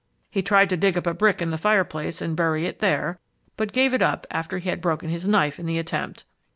He tried to dig up a brick in the fireplace and bury it there, but gave it up after he had broken his knife in the attempt.